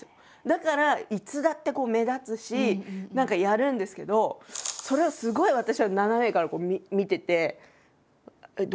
だからいつだって目立つし何かやるんですけどそれをすごい私は斜めから見ててえっ？